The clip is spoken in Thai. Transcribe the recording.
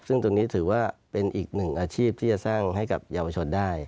ซึ่งตรงนี้ถือว่าเป็นอีกหนึ่งอาชีพที่จะสร้างให้กับเยาวชนได้